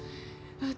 私